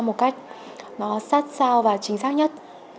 một cách nó sát sao và chính xác nhất